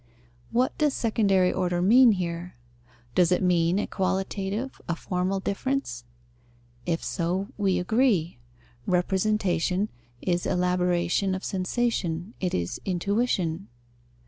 What does secondary order mean here? Does it mean a qualitative, a formal difference? If so, we agree: representation is elaboration of sensation, it is intuition.